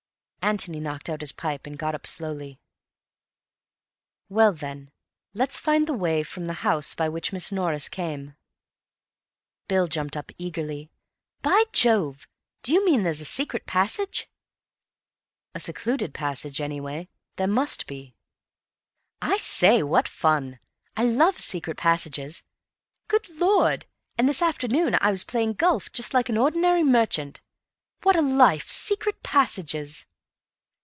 Antony knocked out his pipe and got up slowly. "Well then, let's find the way from the house by which Miss Norris came." Bill jumped up eagerly. "By Jove! Do you mean there's a secret passage?" "A secluded passage, anyway. There must be." "I say, what fun! I love secret passages. Good Lord, and this afternoon I was playing golf just like an ordinary merchant! What a life! Secret passages!"